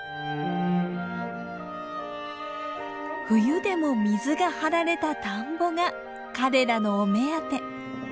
冬でも水が張られた田んぼが彼らのお目当て。